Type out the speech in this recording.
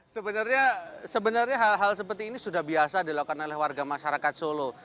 sebenarnya hal hal seperti ini sudah biasa dilakukan oleh warga masyarakat solo